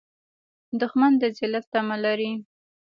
دښمن د ذلت تمه لري